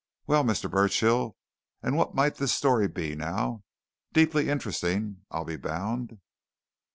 Well, Mr. Burchill, and what might this story be, now? Deeply interesting, I'll be bound."